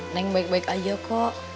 neng baik baik aja kok